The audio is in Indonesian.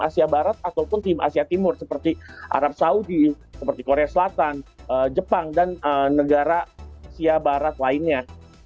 asia barat ataupun tim asia timur seperti arab saudi seperti korea selatan jepang dan negara asia barat lainnya